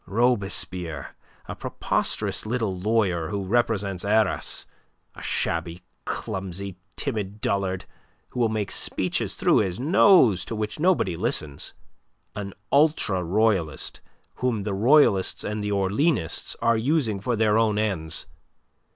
"Robespierre a preposterous little lawyer who represents Arras, a shabby, clumsy, timid dullard, who will make speeches through his nose to which nobody listens an ultra royalist whom the royalists and the Orleanists are using for their own ends.